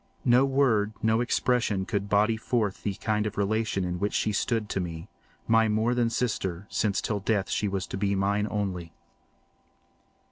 No word, no expression could body forth the kind of relation in which she stood to me—my more than sister, since till death she was to be mine only.